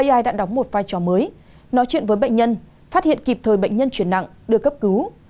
ai đã đóng một vai trò mới nói chuyện với bệnh nhân phát hiện kịp thời bệnh nhân chuyển nặng đưa cấp cứu